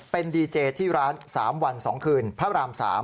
เป็นดีเจที่ร้าน๓วัน๒คืนพระราม๓